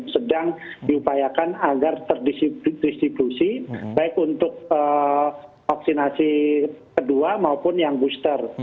sedang diupayakan agar terdistribusi baik untuk vaksinasi kedua maupun yang booster